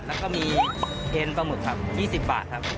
แล้วก็มีเอ็นปลาหมึกครับ๒๐บาทครับ